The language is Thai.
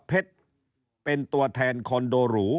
เพชรเป็นตัวแทนคอนโดหรู